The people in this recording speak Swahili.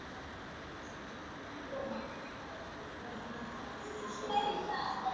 lakabu ya Kingo kwa kuwa aliacha alama kwenye maendeleo ya Uluguru na kuasisi mji